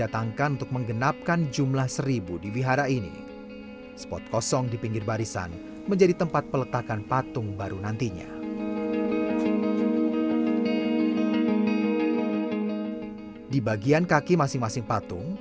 tapi kok ini seperti nyata gitu